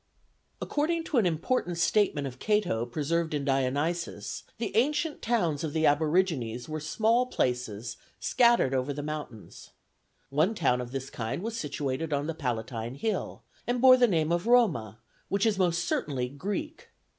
According to an important statement of Cato preserved in Dionysius, the ancient towns of the Aborigines were small places scattered over the mountains. One town of this kind was situated on the Palatine hill, and bore the name of Roma, which is most certainly Greek.